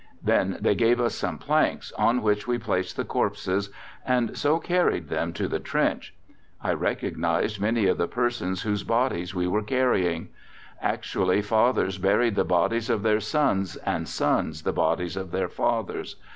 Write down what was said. They then gave us some planks, on which we placed the corpses and so carried them to the trench. I recognized many of the persons whose bodies we were burying. Actually fathers buried the bodies of their sons and sons the bodies of their fathers.